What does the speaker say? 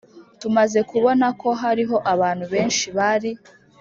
Tumaze kubona ko hariho abantu benshi bari